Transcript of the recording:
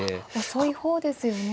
遅い方ですよね。